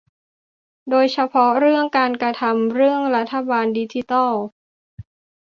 โดยเฉพาะเรื่องการทำเรื่องรัฐบาลดิจิทัล